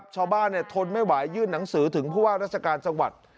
ชาวบ้านทนไม่ไหวยื่นหนังสือถึงผู้ว่ารัศกาลสังวัติ